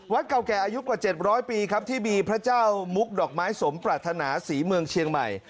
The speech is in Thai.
เก่าแก่อายุกว่า๗๐๐ปีครับที่มีพระเจ้ามุกดอกไม้สมปรารถนาศรีเมืองเชียงใหม่